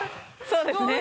そうですね。